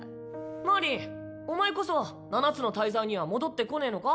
マーリンお前こそ七つの大罪には戻ってこねぇのか？